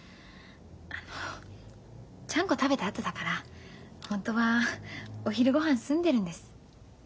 あのちゃんこ食べたあとだからホントはお昼ごはん済んでるんです。